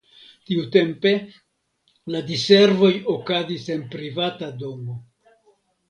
Tiutempe la diservoj okazis en privata domo.